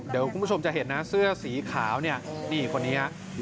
เดี๋ยวคุณผู้ชมจะเห็นนะเสื้อสีขาวเนี่ยนี่คนนี้ฮะ